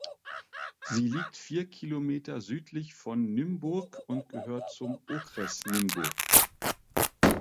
Sie liegt vier Kilometer südlich von Nymburk und gehört zum Okres Nymburk.